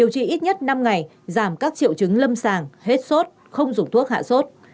trị ít nhất năm ngày giảm các triệu chứng lâm sàng hết sốt không dùng thuốc hạ sốt